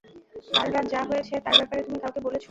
কাল রাত যা হয়েছে তার ব্যাপারে তুমি কাউকে বলেছ?